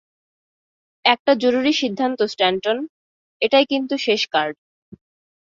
একটা জরুরি সিদ্ধান্ত, স্ট্যানটন, এটাই কিন্তু শেষ কার্ড।